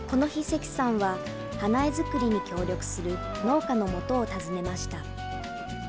関さんは、花絵作りに協力する農家のもとを訪ねました。